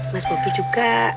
mas bopi juga